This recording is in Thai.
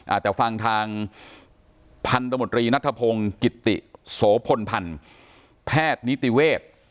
อาจจะฟังทางพันธมตรีนัทพงศ์กิติโสพลพันธ์แพทย์นิติเวทย์